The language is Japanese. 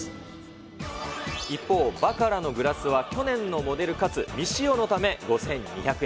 一方、バカラのグラスは去年のモデルかつ未使用のため、５２００円。